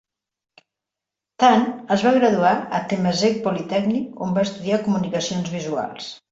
Tan es va graduar a Temasek Polytechnic, on va estudiar Comunicacions visuals.